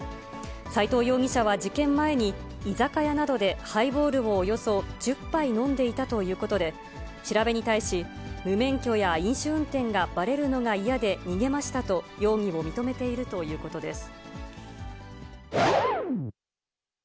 斎藤容疑者は事件前に居酒屋などでハイボールをおよそ１０杯飲んでいたということで、調べに対し、無免許や飲酒運転がばれるのが嫌で逃げましたと容疑を認めているということです。